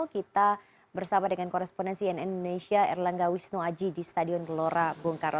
kita bersama dengan korespondensi nn indonesia erlangga wisnu aji di stadion gelora bung karno